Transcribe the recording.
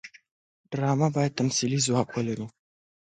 ډرامه باید تمثیلي ځواک ولري